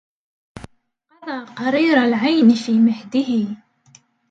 قضى قرير العينِ في مهدِه